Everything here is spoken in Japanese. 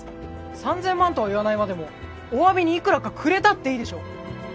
３０００万とは言わないまでもお詫びにいくらかくれたっていいでしょ。